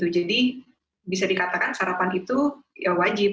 jadi bisa dikatakan sarapan itu wajib